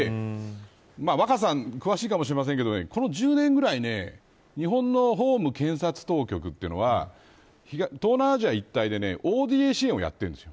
若狭さん詳しいかもしれませんがこの１０年ぐらい日本の法務検察当局というのは東南アジア一帯でＯＤＡ支援をやっているんです。